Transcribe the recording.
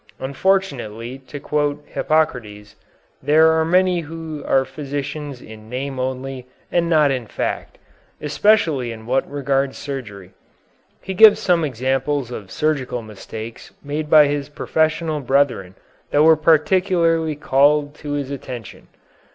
Unfortunately, to quote Hippocrates, there are many who are physicians in name only, and not in fact, especially in what regards surgery. He gives some examples of surgical mistakes made by his professional brethren that were particularly called to his attention.